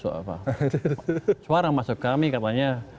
banyak suara masuk kami katanya